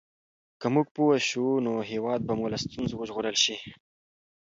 که موږ پوه شو نو هېواد به مو له ستونزو وژغورل شي.